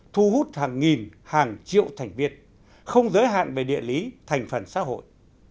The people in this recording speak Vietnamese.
thu hút hàng nghìn hàng triệu thành viên không giới hạn về địa lý thành phần xã hội